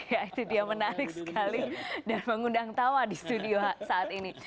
ya itu dia menarik sekali dan mengundang tawa di studio saat ini